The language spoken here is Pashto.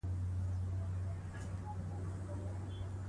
اداري عدالت د اعتماد فضا جوړوي.